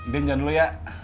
dengan dulu ya